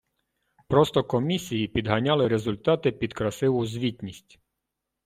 Просто комісії підганяли результати під красиву звітність.